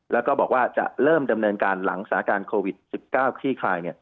แล้วก็บอกว่าจะเริ่มดำเนินการหลังสถานการณ์โควิด๑๙คลี่คลาย